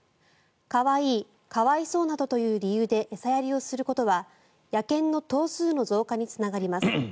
可愛い、可哀想などという理由で餌やりをすることは野犬の頭数の増加につながります。